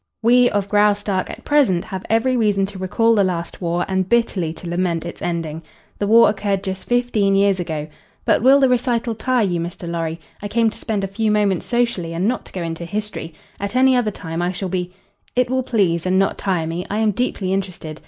"We, of Graustark, at present have every reason to recall the last war and bitterly to lament its ending. The war occurred just fifteen years ago but will the recital tire you, Mr. Lorry? I came to spend a few moments socially and not to go into history. At any other time I shall be " "It will please and not tire me. I am deeply interested.